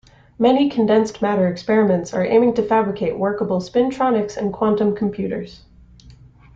Many condensed matter experiments are aiming to fabricate workable spintronics and quantum computers.